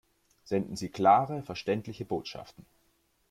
Senden Sie klare, verständliche Botschaften!